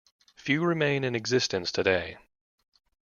Few remain in existence today.